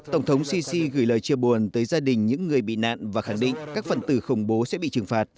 tổng thống sisi gửi lời chia buồn tới gia đình những người bị nạn và khẳng định các phần tử khủng bố sẽ bị trừng phạt